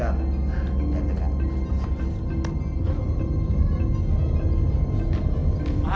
nah kita tekan